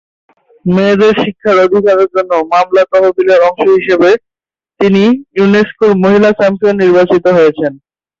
মেয়েদের শিক্ষার অধিকারের জন্য মালালা তহবিলের অংশ হিসাবে তিনি ইউনেস্কোর মহিলা চ্যাম্পিয়ন নির্বাচিত হয়েছেন।